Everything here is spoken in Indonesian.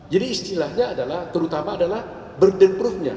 jadi istilahnya adalah terutama adalah burden proof nya